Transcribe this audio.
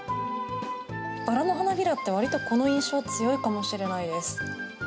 バラの花びらってわりとこの印象強いかもしれないです。